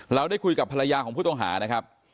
เราได้คุยกับภรรยาของผู้ต้องหานะครับ